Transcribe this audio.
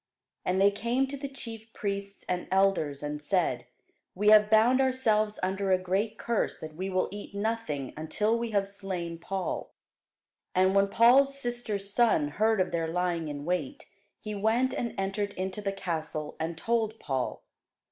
And they came to the chief priests and elders, and said, We have bound ourselves under a great curse, that we will eat nothing until we have slain Paul. And when Paul's sister's son heard of their lying in wait, he went and entered into the castle, and told Paul.